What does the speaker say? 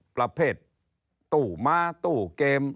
ประเภทตู้ม้าตู้เกม